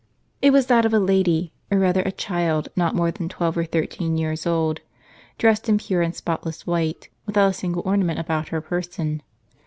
It was that of a lady, or rather a child not more than twelve or thirteen years old, dressed in pure and spotless white, withont a single ornament about her person.